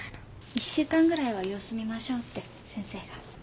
一週間ぐらいは様子見ましょうって先生が。